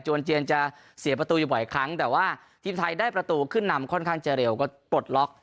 วันเจียนจะเสียประตูอยู่บ่อยครั้งแต่ว่าทีมไทยได้ประตูขึ้นนำค่อนข้างจะเร็วก็ปลดล็อก